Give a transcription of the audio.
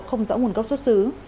không rõ nguồn gốc xuất xứ